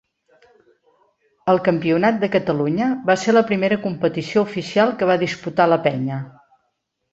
El Campionat de Catalunya va ser la primera competició oficial que va disputar la Penya.